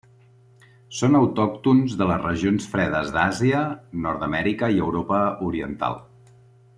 Són autòctons de les regions fredes d'Àsia, Nord-amèrica i Europa Oriental.